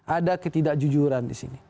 ada ketidakjujuran disini